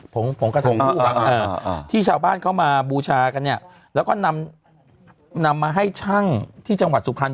ผงส่องที่จะบ้านเข้ามาบูชากับเนี้ยแล้วก็นำนำมาให้ช่างที่จังหวัดสุภัณฑ์